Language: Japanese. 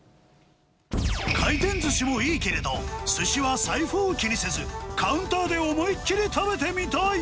回転ずしもいいけれど、すしは財布を気にせず、カウンターで思いっ切り食べてみたい。